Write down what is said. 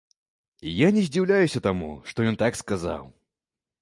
Я не здзіўляюся таму, што ён так сказаў.